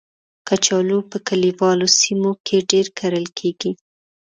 کچالو په کلیوالو سیمو کې ډېر کرل کېږي